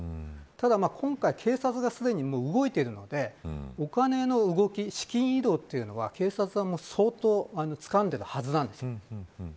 ただ今回警察がすでに動いているのでお金の動き、資金移動というのは警察は相当つかんでいるはずなんです。